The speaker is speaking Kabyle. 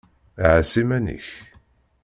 Ɛas iman-ik!